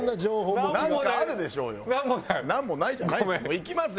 もういきますよ。